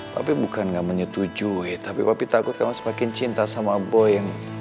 tapi bukan gak menyetujui tapi takut kamu semakin cinta sama boy